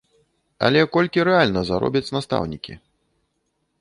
Але колькі рэальна заробяць настаўнікі?